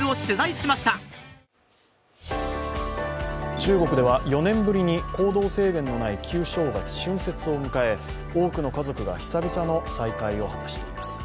中国では４年ぶりに行動制限のない旧正月、春節を迎え多くの家族が久々の再会を果たしています。